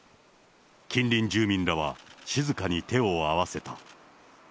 近隣住民らは、静かに手を合わせた。